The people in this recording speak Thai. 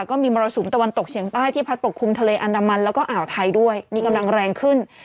มรสุมตะวันตกเฉียงใต้ที่พัดปกคลุมทะเลอันดามันแล้วก็อ่าวไทยด้วยมีกำลังแรงขึ้น